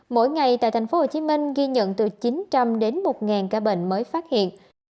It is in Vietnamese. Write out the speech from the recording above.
mỗi ngày tại tp hcm ghi nhận từ chín trăm linh đến một ca bệnh mới phát hiện